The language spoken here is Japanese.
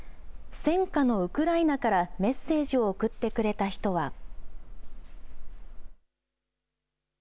戦火のウクライナからメッセージを送ってくれた人は。